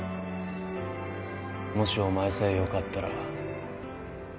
もしお前さえよかったら。